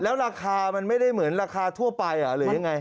แล้วราคามันไม่ได้เหมือนราคาทั่วไปหรือยังไง